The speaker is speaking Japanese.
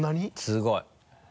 すごい。